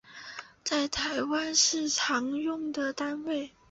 在台湾是常用的单位